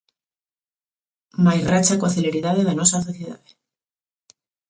Mais racha coa celeridade da nosa sociedade.